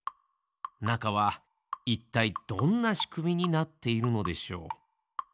なかはいったいどんなしくみになっているのでしょう。